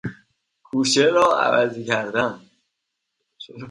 کوچه را عوضی کردن